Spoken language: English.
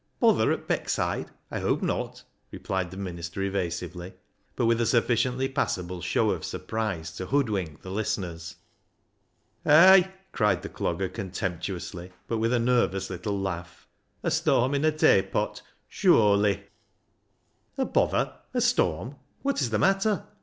Bother at Beckside ! I hope not," replied the minister evasively, but with a sufficiently passable show of surprise to hood wink the listeners. " Ay !" cried the Clogger contemptuously, but with a nervous little laugh ;" a storm in a tay pot, sure//." " A bother ? A storm ? What is the matter